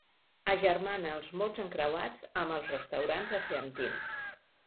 Agermana els mots encreuats amb els restaurants argentins.